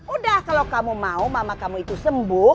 udah kalau kamu mau mama kamu itu sembuh